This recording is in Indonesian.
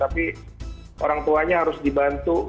jadi orang tuanya harus dibantu